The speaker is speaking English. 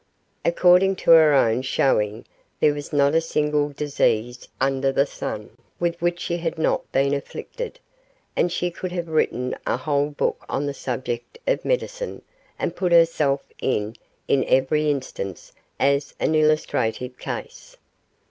According to her own showing, there was not a single disease under the sun with which she had not been afflicted, and she could have written a whole book on the subject of medicine, and put herself in, in every instance, as an illustrative case.